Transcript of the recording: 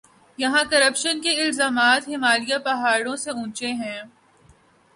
یہاں کرپشن کے الزامات ہمالیہ پہاڑوں سے اونچے ہیں۔